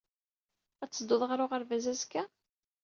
Ad teddud ɣer uɣerbaz azekka?